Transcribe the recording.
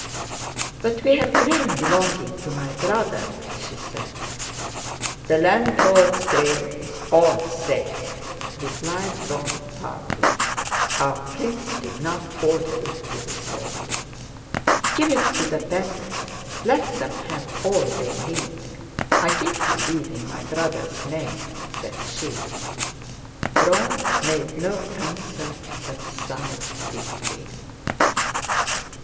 "But we have grain belonging to my brother?" she said. "The landlord's grain is all safe," replied Dron proudly. "Our prince did not order it to be sold." "Give it to the peasants, let them have all they need; I give you leave in my brother's name," said she. Dron made no answer but sighed deeply.